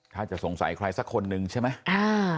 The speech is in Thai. ถ้าจะสงสัยใครสักคนนึงใช่ไหม